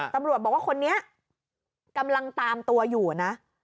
ตำรวจบอกว่าคนนี้กำลังตามตัวอยู่นะ